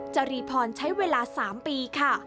จรีพรใช้เวลา๓ปีค่ะ